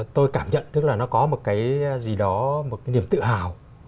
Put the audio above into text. tôi cảm nhận tức là nó có một cái gì đó một cái niềm tự hào